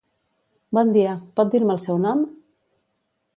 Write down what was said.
Bon dia, pot dir-me el seu nom?